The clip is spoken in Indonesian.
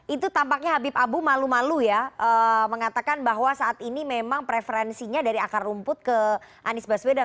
itu tampaknya habib abu malu malu ya mengatakan bahwa saat ini memang preferensinya dari akar rumput ke anies baswedan